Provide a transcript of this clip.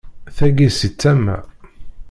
Tagi si tama.